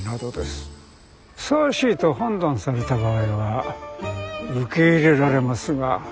ふさわしいと判断された場合は受け入れられますが。